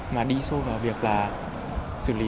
mà đi sâu vào việc là xử lý